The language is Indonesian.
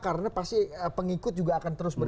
karena pasti pengikut juga akan terus bergerak